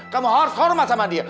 kamu harus hormat sama dia